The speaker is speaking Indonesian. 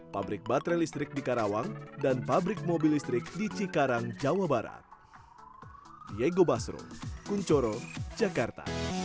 pabrik baterai listrik di karawang dan pabrik mobil listrik di cikarang jawa barat